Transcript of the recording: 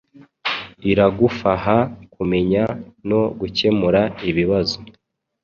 Iragufaha kumenya no gukemura ibibazo